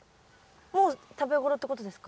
もう食べ頃ってことですか？